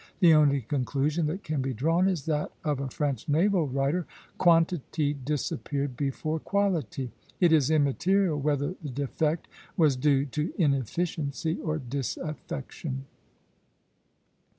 The only conclusion that can be drawn is that of a French naval writer: "Quantity disappeared before quality." It is immaterial whether the defect was due to inefficiency or disaffection.